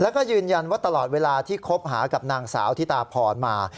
แล้วก็ยืนยันว่าตลอดเวลาที่คบหากับนางสาวธิตาพรมา